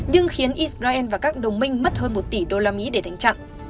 nhưng khiến israel và các đồng minh mất hơn một tỷ đô la mỹ để đánh chặn